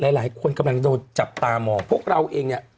หลายคนกำลังโดนจับตามองพวกเราเองเนี่ย